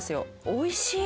おいしい！